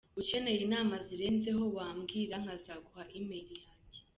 ukeneye inama zirenzeho wambwira nkazaguha email yanjye ………….